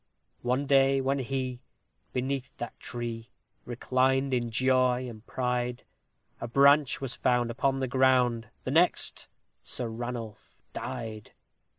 One day, when he, beneath that tree, reclined in joy and pride, A branch was found upon the ground the next, Sir Ranulph died!